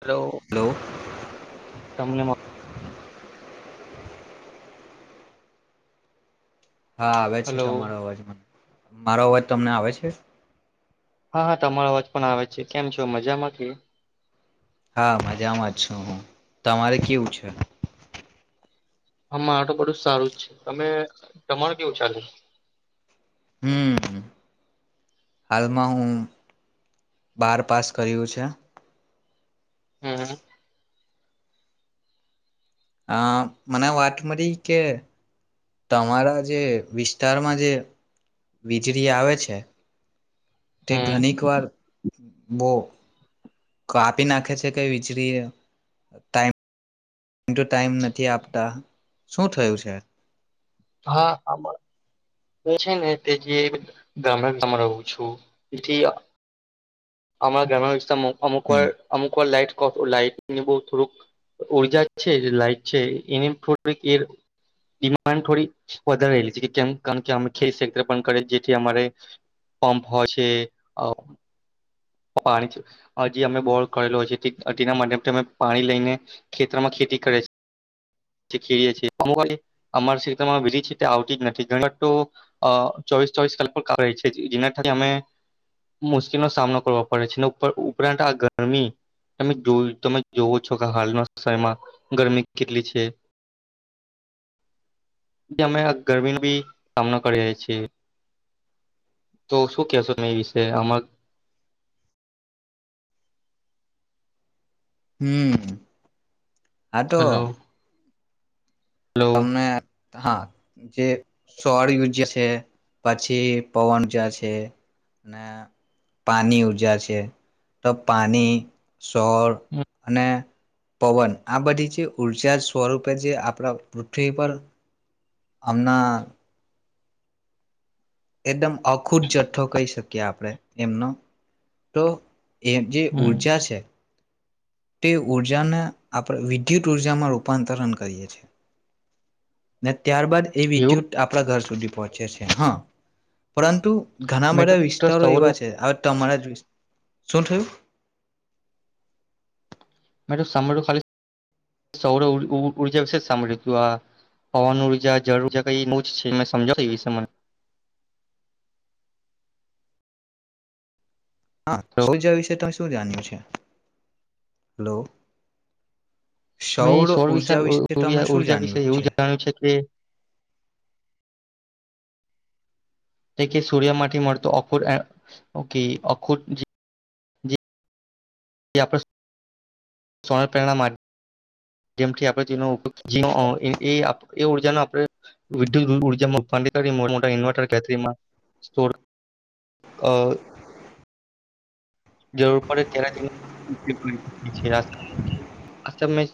Hello તમને હા આવે છે હલો તમારા અવાજમાં મારો અવાજ તમને આવે છે હા હા તમારા વચપ પણ આવે છે કેમ છો મજામાં ક હા મજામાં જ છું હું તમારે કેવું છે હા માર તો બધું સારું જ છે તમે તમારું કેવું ચાલે હમ હાલમાં હું બાર પાસ કર્યું છે હમ આ મને વાત મળી કે તમારા જે વિસ્તારમાં જે વીજળી આવે છે તે હમ ઘણીક વાર બો આપાપી નાખે છે કેઈ વીજળી ટાઈમ ટાઈમ ટુ ટાઈમ નથી આપતા શું થયું છે હા આમાં એ છે ને તે જે ગામડા ગામ રહું છું તેથી અમાણા ઘણા વિસ્માં અમુક હમ વાર અમુક વાર લાઈટ લાઈટની બ થોડક ઉર્જા છે લાઈટ છે એની થોડીક એ ડિમાન્ડ થોડી વધારેલી છે કારણ કે અ ખેક પણ કરે જેથી અમારે પં્પ હોય છે પાણી હજી અ બો કરેલો હોય તેના માધ્યમથી અમે પાણી લઈને ખેતરમાં ખેતી કરે છીએ આવતી જ નથી ચોવીસ ચોવીસ કલાક છે જેના અમે મુશ્કેલીનો સામનો ઉપરાંત આ ગરમી ત તમે જોવો છો કે હાલના સમયમાં ગરમી કેટલી છે જે અમે ગરમીનો બી સામનો કરી રહ્યા છીએ તો શું કેશો ત એ વિશે આમાં હમ હ તો હલો હલો તમને હા જે સ્ોળ ર્જા છે પછી પવન ઉર્જા છે પાની ઉર્જા છે તો પાણી સોળ અને પવન આ બધી જે ઉઊર્જા સ્વરૂપે જે આપણા પૃથ્વી પર અમના એકદમ અખુટ જથ્થો કહી શકીએ આપણે એમનો તો એ જે હમ ઉઊર્જા છે તે ઉર્જાને આપણે વિદ્યુત ઉર્જામાં રૂપાંતરણ કરીએ છ છેએ ત્યારબાદ એ એવું વિદ્યુત આપણા ઘર સુધી પહોચ છે હા પરંતુ ઘણા મેં બધા તો વિસ્તારો સૌરવ એવા છે હવે તમારા જ શું થયું મેં તો સાંભળ્યું ખાલી સૌર ઉર્જા વિશે સાંભળ્યું હતું આ પવન ઉર્જા જળ ઉર્જા ક બ જ છે મે સમજાવ એ વિશે મને હા તો શો જ વિશે તમે શું જાણ્યું છે હલો મેં સૌર સોળ વિષ ઉર્જા ઉર્ વિશે તમે શું ઉર્જા જાણ્યું વિશે એવું જાણ્યું છે કે જે કે સૂર્ય માટેથી મળતો અખુર ઓકે અખુ ્યમથી આપણે તેનો ઉપયોગ જ એ એ ઉર્જા ન આપણે વિદ્યુત ઉર્જામાં કરી મોટા મોટા ઇન્વર્ટર કેતરીમાં જરૂર પડે ત્યારે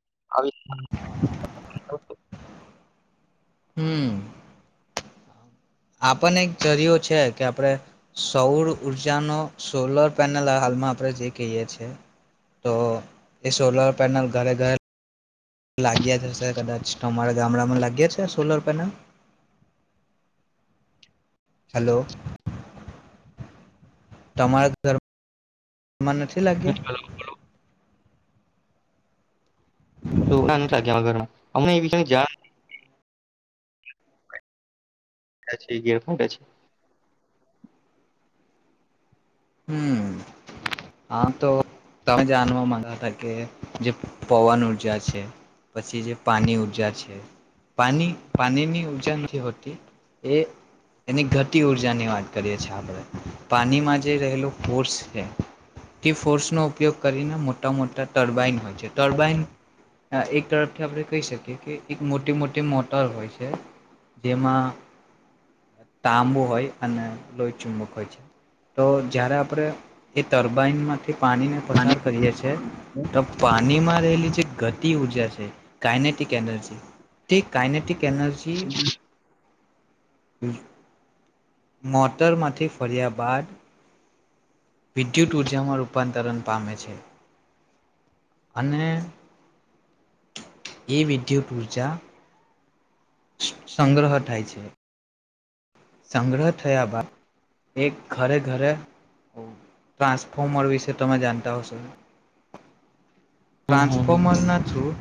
આવી આપને એક જરિયો છે કે આપણે સૌર ઉઊર્જાનો સોલર પેનલ હાલમાં આપણે જે કહીએ છે તો એ સોલર પેનલ ઘરે ઘરે લાગ્યા જ હશે કદાચ તમારા ગામડામાં લાગ્યા છે સોલર પેનલ હલો તમારા ઘર મને નથી નથી લાગ્યા લાગે ઘરમાં અમને એવીષ જા ગરખા છે હમ હા તો તમે જાણવા મગાવ કારણ કે જે પવન ઊર્જા છે, પછી જે પાણી ઊર્જા છે પાની પાણીની ઉર્જા નથી હોતી એ એની ઘટી ઊર્જાની વાત કરીએ છીએ આપણે. પાણી મા જે રહેલો કોર્સ છે. ટીપ ફોર્સનો ઉપયોગ કરીને મોટા મોટા ટર્બાઈન હોય. ટરબાાઈન એક તરફથી આપણે કહી શકીએ કે એક મોટી મોટી મોટર હોય છે, જેમાં તાંબુ હોય અને લોય ચુંબક હોય છે. તો જય્યારે આપણે એ તર્બાાઈન માંથી પાણીને પસાર કરીએ છીએ, તો પાણીમાં રહેલી જે ગતિ ઉર્જા છે, કાયનેટિક એનર્જી, તે કાયનેટિક કેૅનર્જી [inaudible] મોટર માંથી ફર્યા બાદ વિદ્યુત ઉર્જામાં રૂપાંતરણ પામે છે. અને એ વિડ્યુ ઉર્જા સંગ્રહ થઠાય છે. સંગ્રહ થઠયા બા એક ઘરે ઘરે ટ્રાન્સફોર્મર વિશે તમે જાણતા હશો. [inaudible] હમ હમ ટ્રાન્સફોર્મરના થ્ર [inaudible]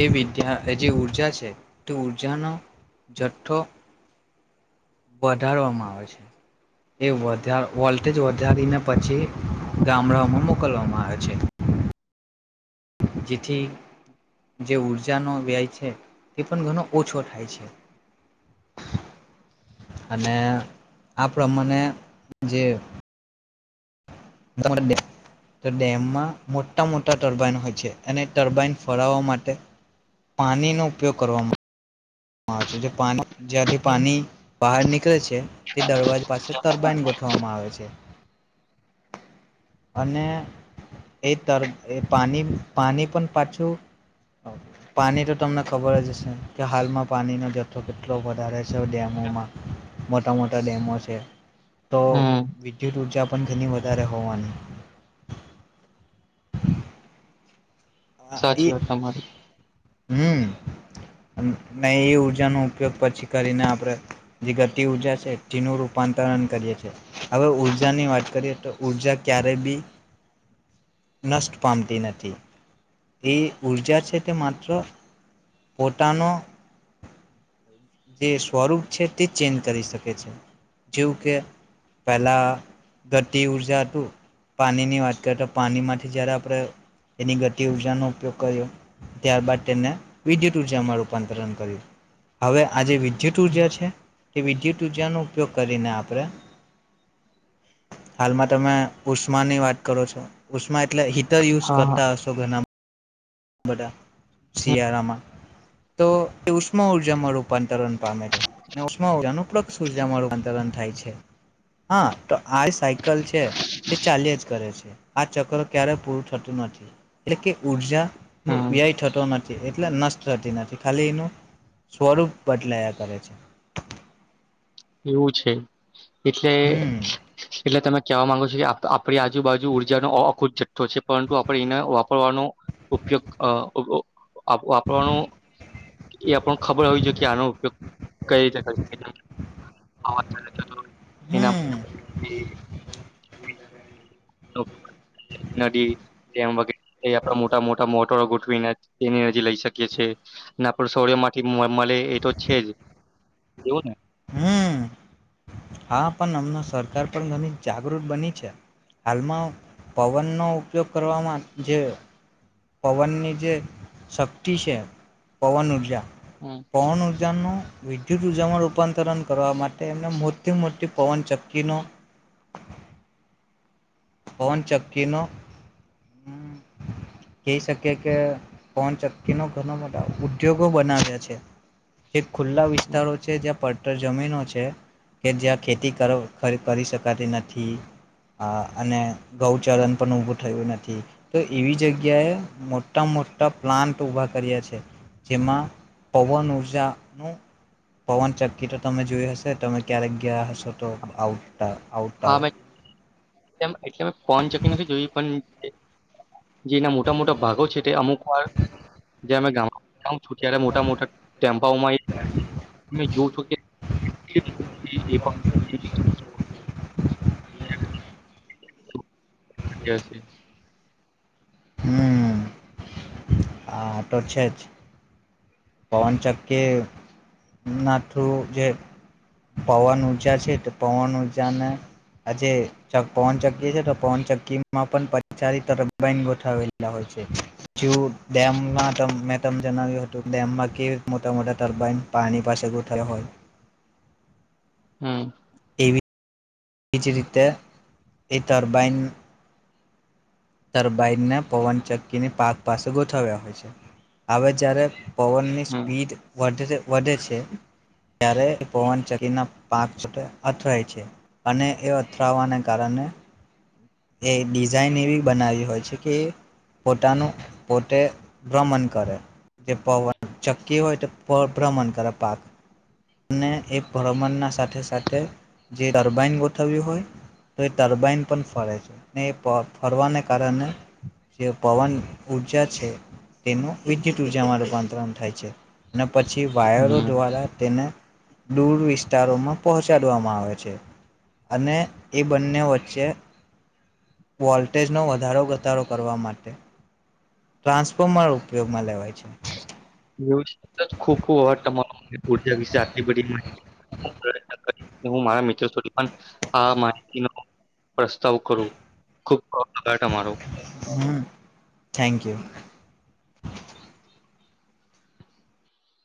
એ વિદ્યા જે ઊર્જા છે તે ઊર્જાનો જઠ્ઠો વધારવામાં આવે છે, એ વોલ્ટેજ વધારીને પછી, ગામડાઓમાં મોકલવામાં આવે છે. જેથી જે ઊર્જાનો વ્યય છે, તે પણ ઘણો ઓછો થાય છે. અને આ પ્રમાણે જે તો ડેમમાં મોટા મોટા ટર્બાઈન હોય છે અને ટર્બાઈન ફળવવા માટે, પાણીનો ઉપયોગ કરવાવામાં માર્ચ જ જ્યાંથી પાણી બહાર નીકળે છે તે દરવાજા પાસે ટર્બાાઈન ગોઠવામાં આવે છે અને એ ત એ પાણી પાણી પણ પાછું પાણી તો તમને ખબર જ હશે કે હાલમાં પાણીનો જથ્થો કેટલો વધારે છે ડેમોમાં મોટા મોટા ડેમો છે તો હમ વિદ્યુત ઉર્જા પણ ઘની વધારે હોવાની હા એ સાચી વાત તમારી હમ ન એ ઉઊર્જાનો ઉપયોગ પછી કરીને આપણે જે ગતિ ઉઊર્જા છે તેનું રૂપાંતરણ કરીએ છેએ હવે ઉઊર્જાની વાત કરીએ તો ઉઊર્જા ક્યારેય બી નષ્ટ પામતી નથી એ ઉઊર્જાર છે મત્ર પોટણો જે સ્વરૂપ છે તે ચેન્જ કરી શકે જેવું કે પહેલા ગતિ ઉર્જા હતું પાણીની વાત કરીએ તો પાણીમાંથી જયારે આપણે એની ગતિ ઉર્જાનો ઉપયોગ કર્યો ત્યારબાદ તેને વિદ્યુત ઉઊર્જામાં રૂપાંતરણ કર્યું હવે આજે વિદ્યુત ઉર્જા છે કે વિદ્યુત ઉર્જાનો ઉપયોગ કરીને આપણે હાલમાં તમે ઉષ્મા ની વાત કરો છો ઉષ્મા એટલે હીટ ર યુઝ હા હા કરતા જોગનામ બટા શી હમ આારમાં તો ઉષ્મ ઉર્જામાં રૂપાંતરણ પામે છે ઉષ્મ ઉર્જાનું પ્રક્ષ ઉર્જામાં રૂપાંતરણ થાય છે હા તો આ સાયકલ છે તે ચાલ્ય જ કરે છે આ ચક્ર ક્યારે પૂરું થતું નથી એટલે કે ઉર્જા ન હમ વ્યય થતો નથી એટલે નષ્ટ થતી નથી ખાલી એનું સ્વરૂપ બદલાયા કરે છે એવું છે એટલે હમ એટલે તમે કહેવા માંગુ છ કે આપણી આજુબાજુ ઉઊર્જાનો અખુત જથ્થો છે પરંતુ આપણે એને વાપરવાનો ઉપયોગ વાપરવાનો એ આપણ ખબર હોવી જોઈએ કે આનો ઉપયોગ કઈ રીતે હા એનામ હમ નદી ડેમ વગેરે આપડા મોટા મોટા મોટરો ગોઠવીને તેની નજી લઈ શકીએીએ અને સોર્ય માંથી મળે એ તો છે એવું ને હમ હા પણ અમણા સરકાર પણ ઘણી જાગૃત બની છે હાલમાં પવનનો ઉપયોગ કરવામાં જે પવનની જે શક્તિ છે પવન ઉઊર્જા હમ કો ન ઉજનું વિદ્યુત ઉર્જામાં રૂપાંતરણ કરવા માટે એમને મોટી મોટી પવન ચક્કી ન પવન ચક્કી નો કહી શકીએ કે પવન ચક્કી ન ઘણા બધા ઉદ્યોગો બનાવ્યા છે ખુલ્લા હમ વિસ્તારો છે જ્યાં પ્ટર જમીનો છે કે જ્યાં ખેતી કરી શકાતી નથી આ અને ગૌચરન પણ ઊભું થયું નથી તો એવી જગ્યાએ મોટા મોટા પ્લાન્ટ ઊભા કર્યા છે જેમાં પવન ઉર્જાનું પવન ચક્કી તો તમે જોય હશે કે તમે ક્યારે ગ્યા હશો તો આવઉટ ટ આઉટઉ હા એટલે મેં પહોચકી નથી જોયું પણ જેના મોટા મોટા ભાગો છે તે અમુક વા જે અમે ગ ત્યારે મોટા મોટા ટેમ્પાઓમાં જો છ કે [unintelligible] છે [unintelligible] હમ હા તો છે જ પવનચક્કી ના થ્રુ જે પવન ઉઊર્જા છે તો પવન ઉર્જાને આ જે પવનચક્કી છે તો પવનચક્કીમાં પણ પચ તરફ બન ગોઠવેલા હોય છે. ડેમમાં મેં તમ જણાવ્યું હતું ડેમમાં કેવી મોટા મોટા ટર્બાાઈન પાણી પાસે ગ થયો હોય હમ વિચ રીતે એ ટરબાઈન તરબાઈનને પવન ચક્કીની પાક પાસે ગોઠવ્યા હોય છે હ જ્યારે પવરની હમ સ્પીડ વધતી વધે છે ત્યારે એ પવન ચકીના પાક અથરાાય છે અને એ અથડવાને કારણે એ ડિઝાઇન એવી બનાવી હોય છે પોતાનું પોતે ભ્રમણ કરે જે પવન ચક્કી હોય તો ભ્રમણ કરપક અને એ ભ્રમણના સાથે સાથે જે ટર્બાાઈન ગોઠવ્યું હોય તો એ ટર્બાાઈન પણ ફરે છે. ને એ ફરવાને કારણે જે પવન ઉઊર્જા છે તેનું વિદ્યુત ઉર્જામાં રૂપાંતરણ થાય છે અને પછી વાયરો હમ દ્વારા તેને દૂર વિસ્તારોમાં પહોંચાડવામાં આવે છે અને એ બંને વચ્ચે વોલ્ટેજનોો વધારો ઘટડો કરવા માટે ટ્રાન્સફોર્મર ઉપયોગમાં લેવાય છે. ખુ ખબવા તમારો ઉર્જા વિશે આટલી બધી માહિતી હું મારા મિત્રોધ પણ આ માહિતીનો પ્રસ્તાવ કરું ખુબરો હમ થેન્ક યુ [inaudible]